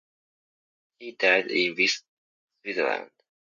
He died in Visp, Switzerland.